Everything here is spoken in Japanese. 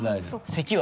せきは。